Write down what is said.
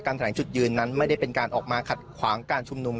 แถลงจุดยืนนั้นไม่ได้เป็นการออกมาขัดขวางการชุมนุม